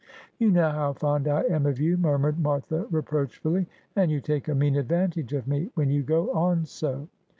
' You know how fond I am of you,' murmured Martha re proachfully ;' and you take a mean advantage of me when you go on so.'